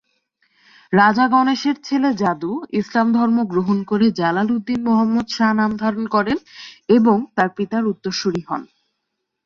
রাজা গণেশের ছেলে যাদু ইসলাম ধর্ম গ্রহণ করে জালাল উদ্দীন মোহাম্মদ শাহ নাম ধারণ করেন এবং তার পিতার উত্তরসুরি হন।